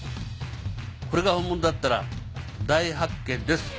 これが本物だったら大発見です。